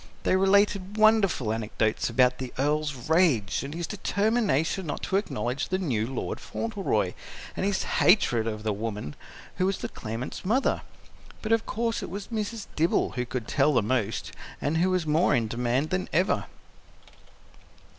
They related wonderful anecdotes about the Earl's rage and his determination not to acknowledge the new Lord Fauntleroy, and his hatred of the woman who was the claimant's mother. But, of course, it was Mrs. Dibble who could tell the most, and who was more in demand than ever.